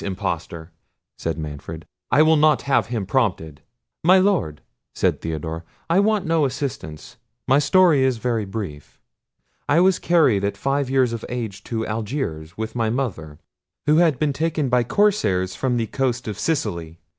impostor!" said Manfred; "I will not have him prompted." "My Lord," said Theodore, "I want no assistance; my story is very brief. I was carried at five years of age to Algiers with my mother, who had been taken by corsairs from the coast of Sicily.